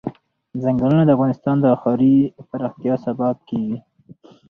ځنګلونه د افغانستان د ښاري پراختیا سبب کېږي.